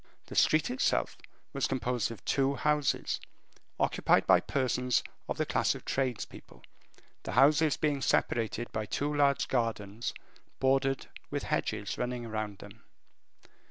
The street itself was composed of two houses occupied by persons of the class of tradespeople, the houses being separated by two large gardens bordered with hedges running round them.